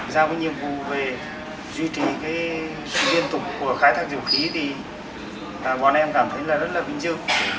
giao với nhiệm vụ về duy trì cái biên tục của khai thác dầu khí thì bọn em cảm thấy là rất là bình dương